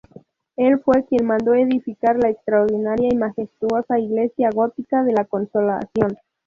Él fue quien mandó edificar la extraordinaria y majestuosa iglesia gótica de la consolación.